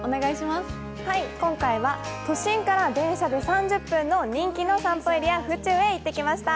今回は都心から電車で３０分の人気の散歩エリア・府中へ行ってきました。